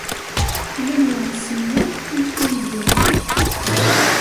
Lemmer nessen yakk amek i nga.